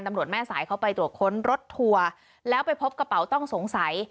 แม่สายเขาไปตรวจค้นรถทัวร์แล้วไปพบกระเป๋าต้องสงสัย